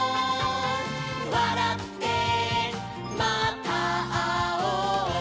「わらってまたあおう」